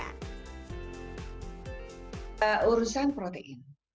pertanyaan pertama apa urusan protein